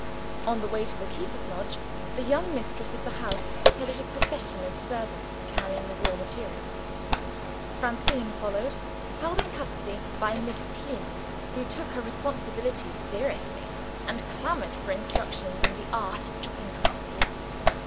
On the way to the keeper's lodge, the young mistress of the house headed a procession of servants carrying the raw materials. Francine followed, held in custody by Miss Plym who took her responsibilities seriously, and clamored for instruction in the art of chopping parsley.